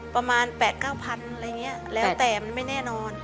ประมาณแปดเก้าพันอะไรอย่างเงี้ยแล้วแต่มันไม่แน่นอน